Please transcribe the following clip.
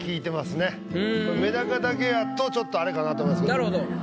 メダカだけやとちょっとあれかなと思いますけど。